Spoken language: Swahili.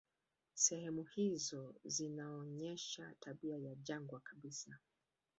Sehemu hizo zinaonyesha tabia ya jangwa kabisa.